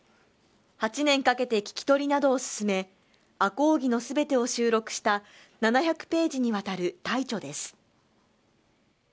８年かけて聞き取りなどを進め、赤宇木の全てを収録した７００ページにわたる大著です。